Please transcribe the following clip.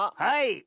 はい。